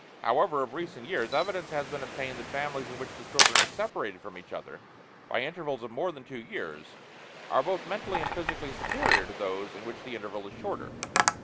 However, of recent years, evidence has been obtained that families in which the children are separated from each other by intervals of more than two years are both mentally and physically superior to those in which the interval is shorter.